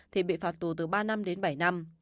thì bị phạt tù từ ba năm đến bảy năm